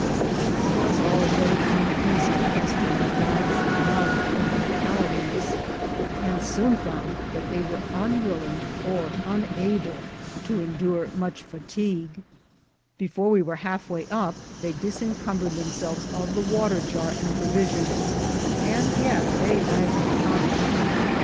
I was already uneasy as to my guides' knowledge of localities, and soon found that they were unwilling or unable to endure much fa VOL. IL— B 10 INCIDENTS OF TRAVEL. tigue. Before we were half way up they disencumber ed themselves of the water jar and provisions, and yet they lagged behind.